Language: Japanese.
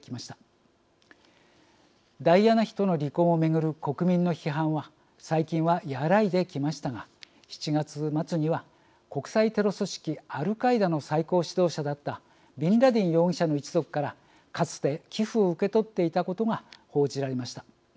ダイアナ妃との離婚を巡る国民の批判は最近は和らいできましたが７月末には国際テロ組織アルカイダの最高指導者だったビンラディン容疑者の一族からかつて寄付を受け取っていたことが報じられました。